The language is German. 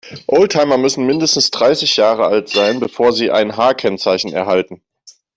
Oldtimer müssen mindestens dreißig Jahre alt sein, bevor sie ein H-Kennzeichen erhalten.